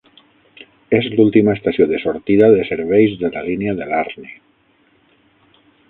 És l'última estació de sortida de serveis de la línia de Larne.